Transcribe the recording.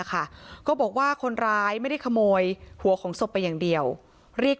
ค่ะก็บอกว่าคนร้ายไม่ได้ขโมยหัวของศพไปอย่างเดียวเรียก